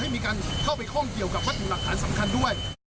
มีการเข้าไปข้องเกี่ยวกับวัตถุหลักฐานสำคัญด้วย